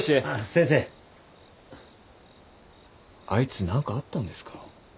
あいつ何かあったんですか？